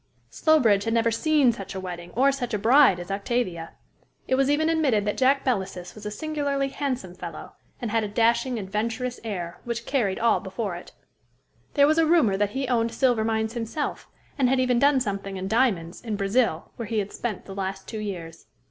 Slowbridge had never seen such a wedding, or such a bride as Octavia. It was even admitted that Jack Belasys was a singularly handsome fellow, and had a dashing, adventurous air, which carried all before it. There was a rumor that he owned silver mines himself, and had even done something in diamonds, in Brazil, where he had spent the last two years.